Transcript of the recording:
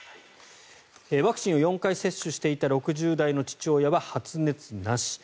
ワクチンを４回接種していた６０代の父親は発熱なし。